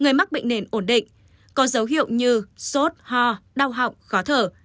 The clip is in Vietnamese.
người mắc bệnh nền ổn định có dấu hiệu như sốt ho đau họng khó thở